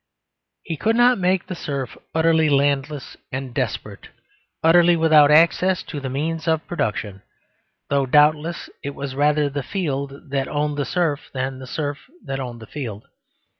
He could not make the serf utterly landless and desperate, utterly without access to the means of production, though doubtless it was rather the field that owned the serf, than the serf that owned the field.